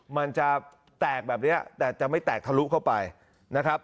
มันจะแตกแบบนี้แต่จะไม่แตกทะลุเข้าไปนะครับ